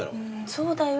そうだよ。